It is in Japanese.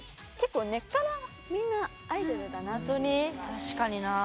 確かになあ。